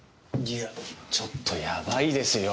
いやちょっとやばいですよ。